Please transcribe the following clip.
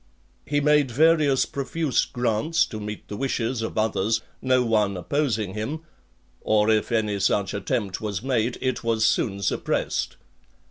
He made various profuse grants to meet the wishes of others, no one opposing him; or if any such attempt was made, it was soon suppressed.